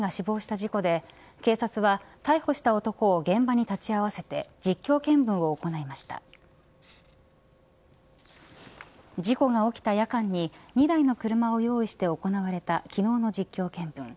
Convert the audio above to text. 事故が起きた夜間に２台の車を用意して行われた昨日の実況見分。